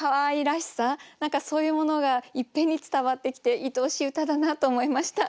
何かそういうものがいっぺんに伝わってきていとおしい歌だなと思いました。